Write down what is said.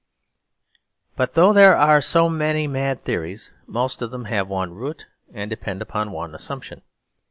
But though there are so many mad theories, most of them have one root; and depend upon one assumption.